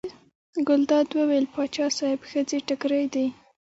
ګلداد وویل: پاچا صاحب ښځې تکړې دي.